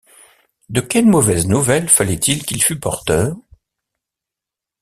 De quelle mauvaise nouvelle fallait-il qu’il fût porteur?